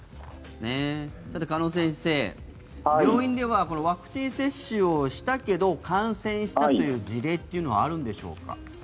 鹿野先生、病院ではワクチン接種をしたけれど感染したという事例というのはあるんでしょうか？